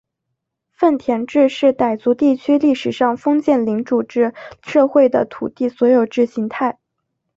份田制是傣族地区历史上封建领主制社会的土地所有制形态。